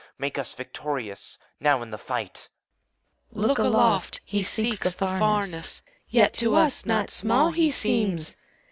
Make us victorious. Now, in the fight! CHORUS. Look aloft! he seeks the FamesB, Yet to us not small he seems.